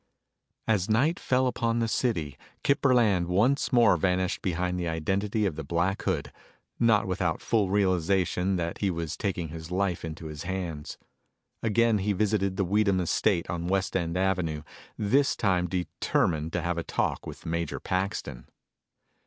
As night fell upon the city, Kip Burland once more vanished behind the identity of the Black Hood, not without full realization that he was taking his life into his hands. Again he visited the Weedham estate on West End Avenue, this time determined to have a talk with Major Paxton.